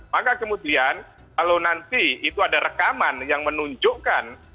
maka kemudian kalau nanti itu ada rekaman yang menunjukkan